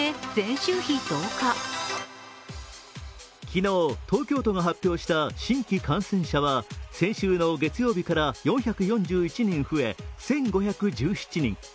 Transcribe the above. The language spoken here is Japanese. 昨日、東京都が発表した新規感染者は先週の月曜日から４４１人増え１５０７人。